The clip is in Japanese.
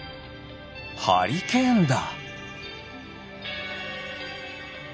ハリケーンだ。